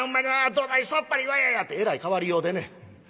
どないさっぱりわやや」てえらい変わりようでね。